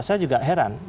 saya juga heran